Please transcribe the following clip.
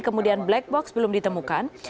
kemudian black box belum ditemukan